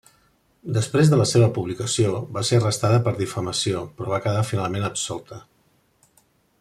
Després de la seva publicació, va ser arrestada per difamació però va quedar finalment absolta.